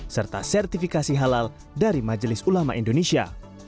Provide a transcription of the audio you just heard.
serta sertifikasi halal dari majelis ulama indonesia